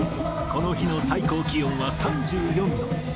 この日の最高気温は３４度。